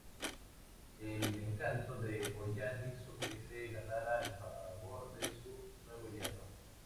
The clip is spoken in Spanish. El encanto de Holland hizo que se ganara el favor de su nuevo yerno.